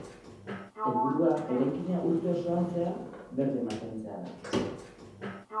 Helburua eraikina urte osoan zehar berde mantentzea da.